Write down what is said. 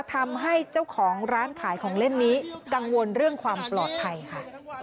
ทำให้เจ้าของร้านขายของเล่นนี้กังวลเรื่องความปลอดภัยค่ะ